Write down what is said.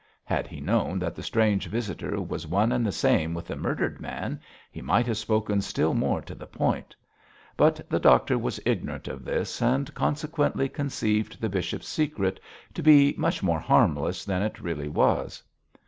Had he known that the strange visitor was one and the same with the murdered man, he might have spoken still more to the point; but the doctor was ignorant of this and consequently conceived the bishop's secret to be much more harmless than it really was.